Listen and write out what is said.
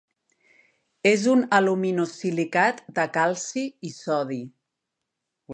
És un aluminosilicat de calci i sodi.